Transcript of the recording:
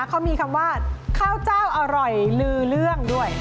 เขามีคำว่าข้าวเจ้าอร่อยลือเรื่องด้วย